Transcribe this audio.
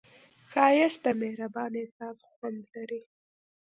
ښایست د مهربان احساس خوند لري